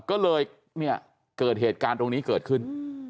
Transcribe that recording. ก็เลยเนี่ยเกิดเหตุการณ์ตรงนี้เกิดขึ้น